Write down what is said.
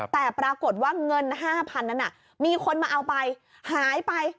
แต่ปรากฏว่าเงิน๕๐๐๐นั้นมีคนมาเอาไปหายไป